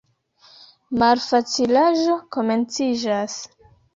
Malfacilaĵo komenciĝas.